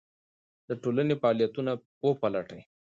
د ټولنې واقعیتونه وپلټئ.